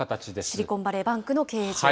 シリコンバレーバンクの経営陣が。